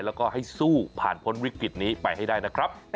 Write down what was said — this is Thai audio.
แล้วก็ให้สู้ผ่านพ้นวิกฤตนี้ไปให้ได้นะครับ